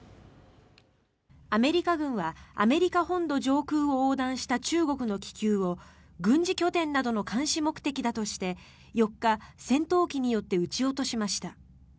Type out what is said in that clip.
アメリカ軍はアメリカ本土上空を横断した中国の気球を軍事拠点などの監視目的だとして４日、戦闘機によって撃ち落としました。